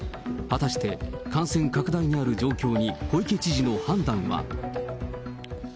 果たして感染拡大にある状況に小池知事の判断は。